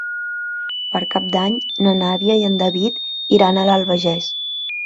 Per Cap d'Any na Nàdia i en David iran a l'Albagés.